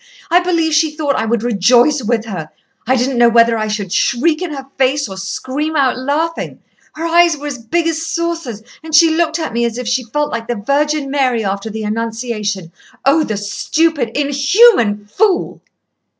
I believe she thought I would rejoice with her. I didn't know whether I should shriek in her face or scream out laughing. Her eyes were as big as saucers, and she looked at me as if she felt like the Virgin Mary after the Annunciation. Oh! the stupid, inhuman fool!"